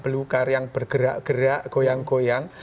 belukar yang bergerak gerak goyang goyang